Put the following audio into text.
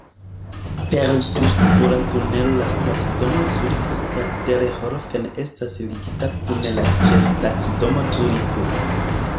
Per du-spura tunelo la stacidomo Zuriko-Stadelhofen estas ligita kun la Ĉefstacidomo Zuriko.